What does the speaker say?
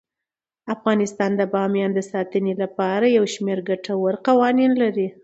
افغانستان د بامیان د ساتنې لپاره یو شمیر ګټور قوانین لري.